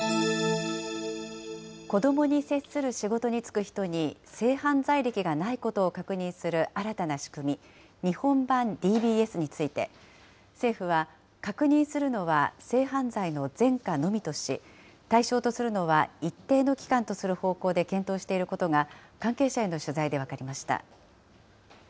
子どもに接する仕事に就く人に、性犯罪歴がないことを確認する新たな仕組み、日本版ＤＢＳについて、政府は、確認するのは性犯罪の前科のみとし、対象とするのは一定の期間とする方向で検討していることが、関係者への取材で分かりました。